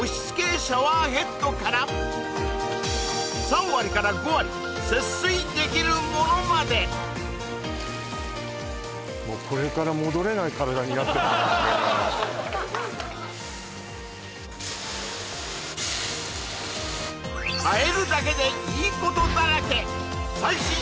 シャワーヘッドから３割から５割節水できるものまでもうこれから戻れない体になってるかもしれないあっ